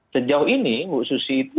sejauh ini bu susi itu